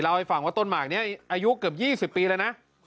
เล่าให้ฟังว่าต้นหมากเนี้ยอายุเคย์เกือบยี่สิบปีแล้วนะ